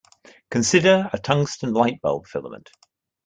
Consider a tungsten light-bulb filament.